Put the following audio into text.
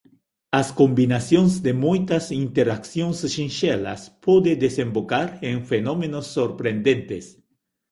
As combinacións de moitas interaccións sinxelas pode desembocar en fenómenos sorprendentes.